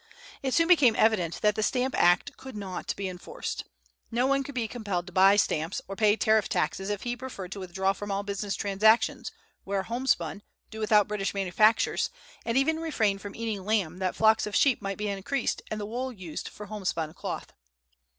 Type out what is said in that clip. It soon became evident that the Stamp Act could not be enforced. No one could be compelled to buy stamps or pay tariff taxes if he preferred to withdraw from all business transactions, wear homespun, do without British manufactures, and even refrain from eating lamb that flocks of sheep might be increased and the wool used for homespun cloth.